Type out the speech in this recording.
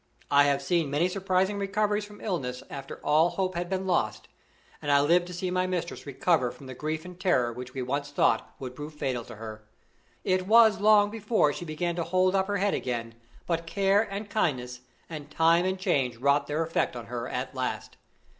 I have seen many surprising recoveries from illness after all hope had been lost, and I have lived to see my mistress recover from the grief and terror which we once thought would prove fatal to her. It was long before she began to hold up her head again; but care and kindness, and time and change wrought their effect on her at last.